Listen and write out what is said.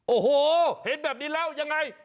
โอ้โหเห็นแบบนี้แล้วยังไง